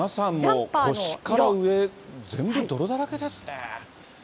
皆さん、もう腰から上、全部泥だらけですね。